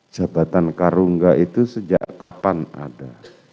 jabatan karungga itu sejak kapan ada